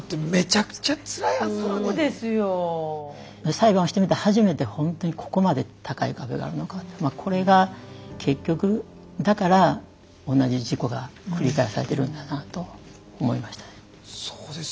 裁判をしてみて初めてほんとにここまで高い壁があるのかこれが結局だから同じ事故が繰り返されてるんだなと思いましたね。